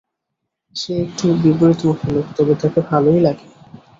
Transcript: সে একটু বিপরীতমুখী লোক, তবে তাকে ভালোই লাগে।